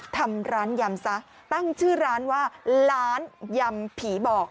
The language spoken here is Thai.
ทำร้านยำซะตั้งชื่อร้านว่าร้านยำผีบอก